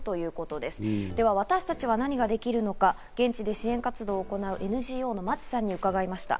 では、私たちは何ができるのか、現地で支援活動を行うＮＧＯの町さんに伺いました。